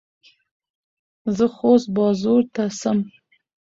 زه خوست بازور ته څم.